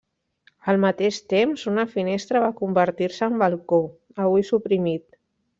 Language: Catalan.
Al mateix temps, una finestra va convertir-se en balcó, avui suprimit.